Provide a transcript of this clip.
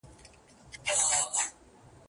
څوك به ليكي دېوانونه د غزلو